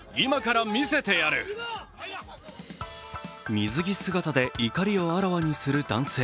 水着姿で怒りをあらわにする男性。